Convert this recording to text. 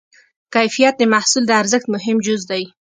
کیفیت د محصول د ارزښت مهم جز دی.